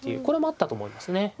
これもあったと思いますね。